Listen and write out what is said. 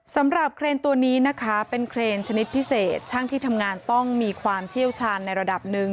สำหรับเคลนตัวนี้นะครับเป็นชนิดพิเศษทั้งที่ทำงานต้องมีความเชี่ยวชาญในระดับนึง